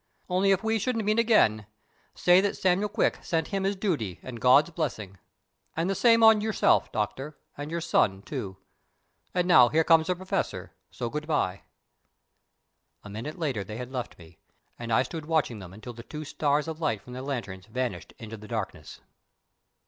Only if we shouldn't meet again, say that Samuel Quick sent him his duty and God's blessing. And the same on yourself, Doctor, and your son, too. And now here comes the Professor, so good bye." A minute later they had left me, and I stood watching them until the two stars of light from their lanterns vanished into the blackness.